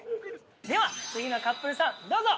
では次のカップルさんどうぞ。